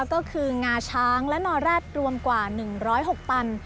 ก็คืองาช้างและนอแร็ดรวมกว่า๑๐๖ตัน